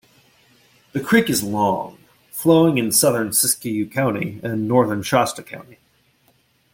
The creek is long, flowing in southern Siskiyou County and northern Shasta County.